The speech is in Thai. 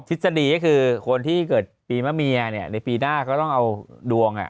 คิดจะดีก็คือคนที่เกิดปีมะเมียเนี่ยในปีหน้าเขาต้องเอาดวงอ่ะ